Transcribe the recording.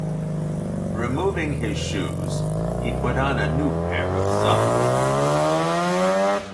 Removing his shoes, he put on a new pair of socks.